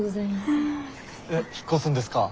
えっ引っ越すんですか？